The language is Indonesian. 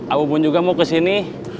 ibu bun juga mau kesini